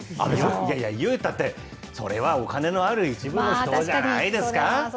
いやいや、いうたって、それはお金のある一部の人じゃないですか？